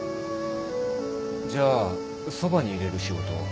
じゃあそばにいれる仕事を。